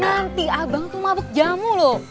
nanti abang tuh mabuk jamu lo